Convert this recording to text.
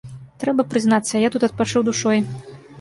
Трэба прызнацца, я тут адпачыў душой.